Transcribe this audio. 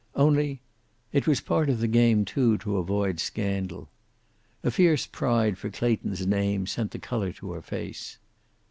Only it was part of the game, too, to avoid scandal. A fierce pride for Clayton's name sent the color to her face.